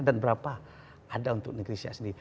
dan berapa ada untuk negeri siak sendiri